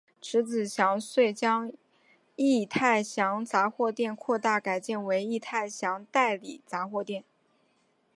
迟子祥遂将益泰祥杂货店扩大改建为益泰祥代理杂货店。